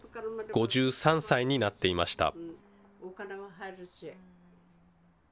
５３歳になっていました。